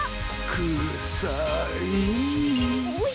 くさい。